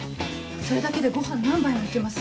それだけでご飯何杯も行けます。